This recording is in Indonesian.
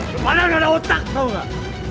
lu padahal nggak ada otak tau nggak